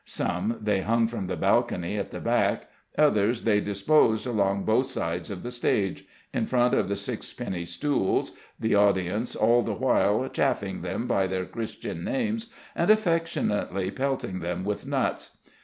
Some they hung from the balcony at the back, others they disposed along both sides of the stage, in front of the sixpenny stools, the audience all the while chaffing them by their Christian names and affectionately pelting them with nuts.